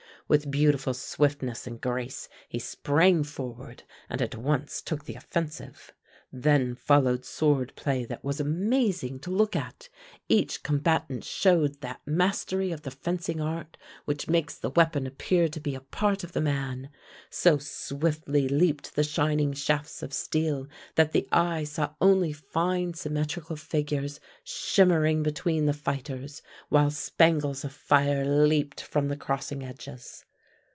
With beautiful swiftness and grace he sprang forward and at once took the offensive. Then followed sword play that was amazing to look at. Each combatant showed that mastery of the fencing art which makes the weapon appear to be a part of the man. So swiftly leaped the shining shafts of steel that the eye saw only fine symmetrical figures shimmering between the fighters, while spangles of fire leaped from the crossing edges.